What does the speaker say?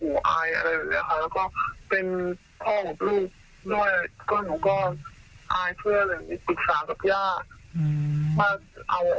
แล้วก็เป็นพ่ออดลูกด้วย